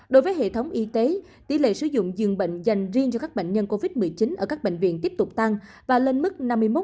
đối với hệ thống y tế tỷ lệ sử dụng dường bệnh dành riêng cho các bệnh nhân covid một mươi chín ở các bệnh viện tiếp tục tăng và lên mức năm mươi một